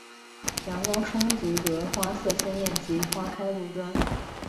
阳光充足则花色鲜艳及开花不断。